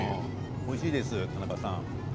おいしいです、田中さん。